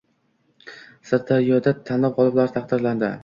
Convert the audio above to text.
Sirdaryoda tanlov gʻoliblari taqdirlandi